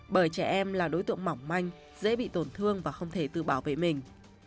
bởi trẻ em là đối tượng mỏng manh dễ bị tổn thương và không thể tự bảo vệ mình